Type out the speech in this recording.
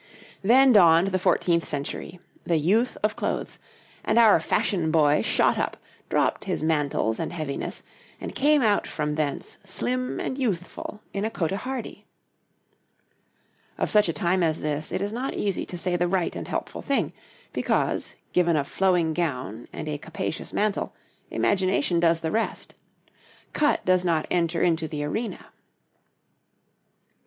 Then dawned the fourteenth century the youth of clothes and our fashion boy shot up, dropped his mantles and heaviness, and came out from thence slim and youthful in a cotehardie. Of such a time as this it is not easy to say the right and helpful thing, because, given a flowing gown and a capacious mantle, imagination does the rest. Cut does not enter into the arena.